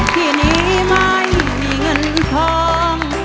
ที่นี้ไม่มีเงินทอง